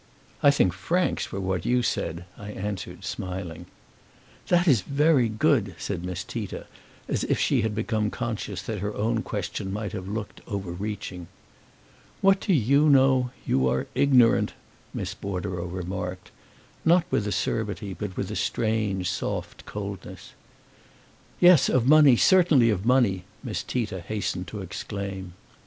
"I think francs were what you said," I answered, smiling. "That is very good," said Miss Tita, as if she had become conscious that her own question might have looked overreaching. "What do YOU know? You are ignorant," Miss Bordereau remarked; not with acerbity but with a strange, soft coldness. "Yes, of money certainly of money!" Miss Tita hastened to exclaim.